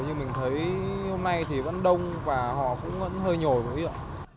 nhưng mình thấy hôm nay thì vẫn đông và họ cũng vẫn hơi nhồi với ý ạ